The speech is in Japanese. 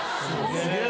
すげえ。